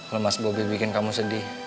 kalo mas bobby bikin kamu sedih